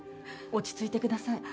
落ち着いてください